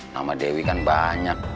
nama dewi kan banyak